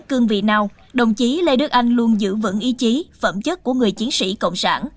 cương vị nào đồng chí lê đức anh luôn giữ vững ý chí phẩm chất của người chiến sĩ cộng sản